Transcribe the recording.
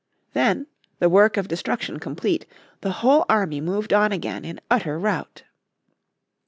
The, the work of destruction complete, the whole army moved on again in utter rout.